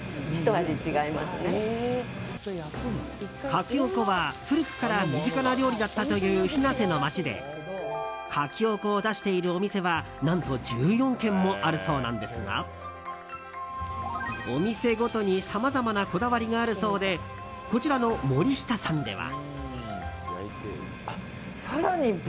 カキオコは古くから身近な料理だったという日生の街でカキオコを出しているお店は何と１４軒もあるそうなんですがお店ごとにさまざまなこだわりがあるそうでこちらの、もりしたさんでは。